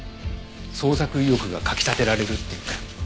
創作意欲がかき立てられるっていうか。